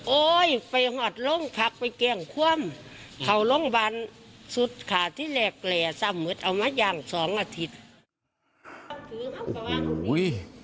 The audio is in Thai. โอ้ยไปหอดลงพักไปเกลียงคว่ำเขาโรงพยาบาลสุดขาดที่แหลกสำมุดเอามายาง๒อาทิตย์